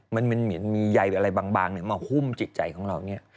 มันมีเหมือนมีใยอะไรบางมาหุ้มจิตใจของเราเนี่ย